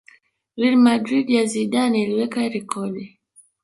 Real Madrid ya Zidane iliweka rekodi